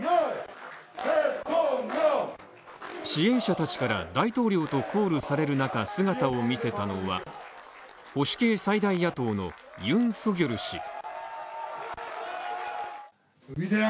支援者たちから大統領とコールされる中、姿を見せたのは保守系最大野党のユン・ソギョル氏。